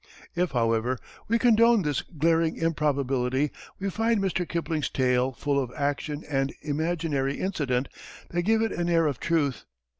If, however, we condone this glaring improbability we find Mr. Kipling's tale full of action and imaginary incident that give it an air of truth.